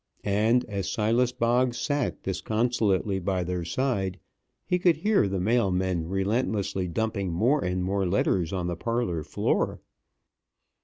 And, as Silas Boggs sat disconsolately by their side, he could hear the mail men relentlessly dumping more and more letters on the parlor floor.